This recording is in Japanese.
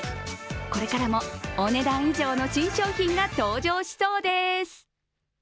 これからも、「お、ねだん以上」の新商品が登場しそうです。